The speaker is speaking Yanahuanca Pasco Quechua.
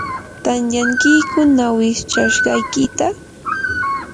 ¿tantyankiyku ñawinchashqaykita?